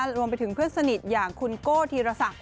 รวมไปถึงเพื่อนสนิทอย่างคุณโก้ธีรศักดิ